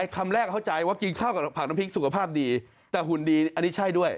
คำแรกเข้าใจว่ากินข้าวกับผักน้ำพริกสุขภาพดีแต่หุ่นดีอันนี้ใช่ด้วย